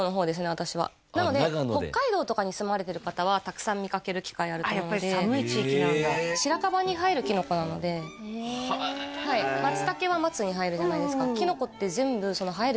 私はなので北海道とかに住まれてる方はたくさん見かける機会あると思うのでやっぱり寒い地域なんだへえマツタケは松に生えるじゃないですかえ！